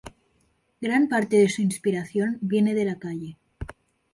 Gran parte de su inspiración viene de la calle.